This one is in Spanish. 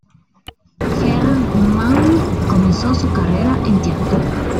Herrmann comenzó su carrera en teatro.